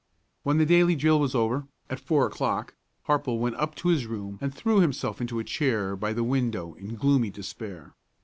When the daily drill was over, at four o'clock, Harple went up to his room and threw himself into a chair by the window in gloomy despair.